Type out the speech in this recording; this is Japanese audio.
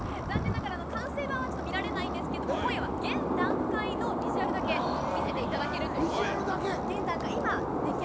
残念ながら、完成版はちょっと見られないんですけれども、今夜は現段階のビジュアルだけ見せていただけるということで。